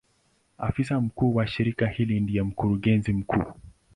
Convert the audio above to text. Afisa mkuu wa shirika hili ndiye Mkurugenzi mkuu.